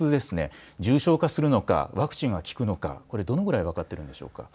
重症化するのかワクチンは効くのか、どのぐらい分かっているのでしょうか。